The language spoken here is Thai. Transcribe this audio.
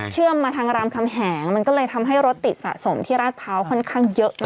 เชื่อมมาทางรามคำแหงมันก็เลยทำให้รถติดสะสมที่ราดเภาค่อนข้างเยอะแน่